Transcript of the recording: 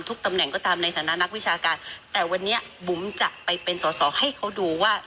ตำแหน่งก็ตามในฐานะนักวิชาการแต่วันนี้บุ๋มจะไปเป็นสอสอให้เขาดูว่า